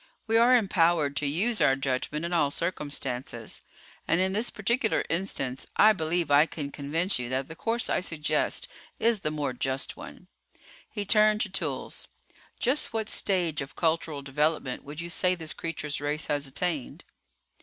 We are empowered to use our judgment in all circumstances. And in this particular instance I believe I can convince you that the course I suggest is the more just one." He turned to Toolls. "Just what stage of cultural development would you say this creature's race has attained?"